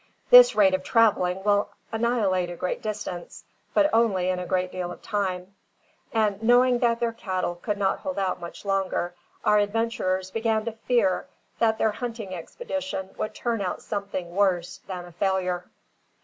This rate of travelling will annihilate a great distance, but only in a great deal of time; and, knowing that their cattle could not hold out much longer, our adventurers began to fear that their hunting expedition would turn out something worst than a failure.